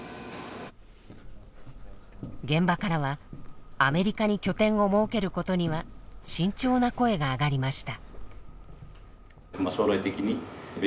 現場からはアメリカに拠点を設けることには慎重な声が上がりました。